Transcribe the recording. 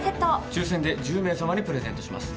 抽選で１０名さまにプレゼントします。